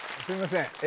すいません